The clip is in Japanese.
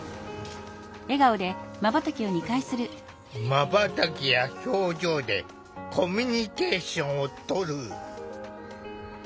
まばたきや表情でコミュニケーションをとる。